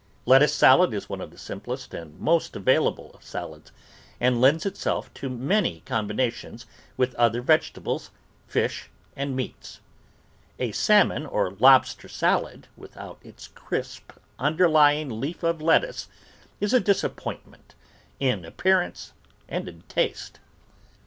Lettuce salad is one of the simplest and most available of salads, and lends itself to many com binations with other vegetables, fish, and meats. A GREENS AND SALAD VEGETABLES salmon or lobster salad without its crisp, under lying leaf of lettuce is a disaj)pointment in appear ance and in taste.